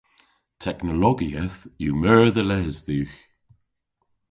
Teknologieth yw meur dhe les dhywgh.